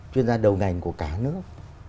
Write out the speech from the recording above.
chuyên gia đầu ngành của cả nước